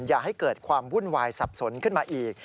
อย่าให้เกิดความวุ่นวายสับสนขึ้นมาอีก